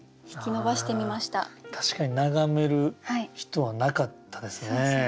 確かに眺める人はなかったですね。